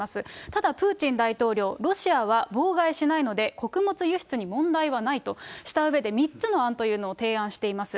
ただ、プーチン大統領、ロシアは妨害しないので穀物輸出に問題はないとしたうえで、３つの案というのを提案しています。